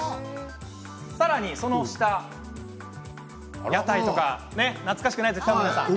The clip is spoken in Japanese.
さらにその下、屋台とか懐かしくないですか、皆さん。